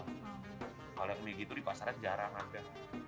kalau yang ini gitu di pasarnya jarang ada